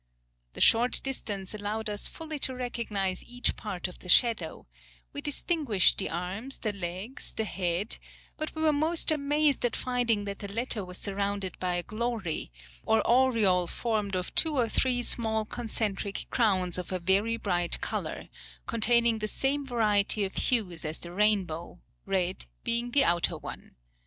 "The short distance allowed us fully to recognize each part of the shadow; we distinguished the arms, the legs, the head, but we were most amazed at finding that the latter was surrounded by a glory, or aureole formed of two or three small concentric crowns of a very bright colour, containing the same variety of hues as the rainbow, red being the outer one.